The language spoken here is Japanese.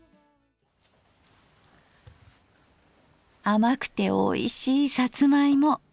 甘くておいしいさつま芋。